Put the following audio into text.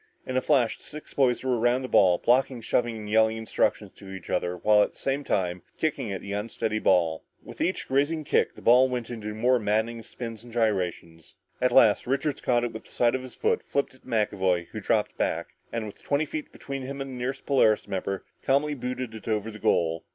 In a flash, the six boys were around the ball, blocking, shoving, and yelling instructions to each other while at the same time kicking at the unsteady ball. With each grazing kick, the ball went into even more maddening spins and gyrations. At last Richards caught it with the side of his foot, flipped it to McAvoy who dropped back, and with twenty feet between him and the nearest Polaris member, calmly booted it over the goal.